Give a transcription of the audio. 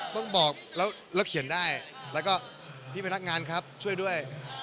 ต้องบอกแล้วเขียนได้แล้วก็พี่พนักงานครับช่วยด้วย